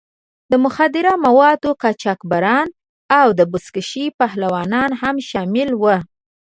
د مخدره موادو قاچاقبران او د بزکشۍ پهلوانان هم شامل وو.